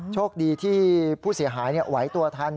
โชคดีที่ผู้เสียหายไหวตัวทัน